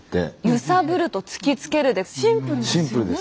「ゆさぶる」と「つきつける」でシンプルですよね